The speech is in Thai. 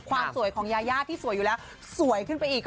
ความสวยของยายาที่สวยอยู่แล้วสวยขึ้นไปอีก